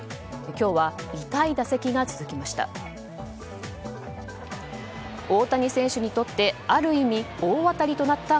今日は痛い打席が続きました。